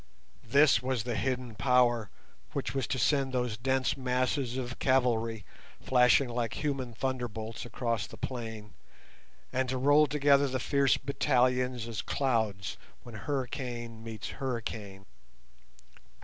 This was the hidden power which was to send those dense masses of cavalry, flashing like human thunderbolts across the plain, and to roll together the fierce battalions as clouds when hurricane meets hurricane.